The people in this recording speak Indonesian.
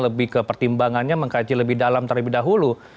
lebih ke pertimbangannya mengkaji lebih dalam terlebih dahulu